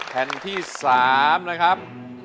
แผ่นที่๓นะครับ